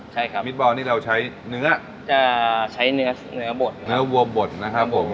ใช่ครับมิดบอลนี่เราใช้เนื้อจะใช้เนื้อเนื้อบดเนื้อวัวบดนะครับผม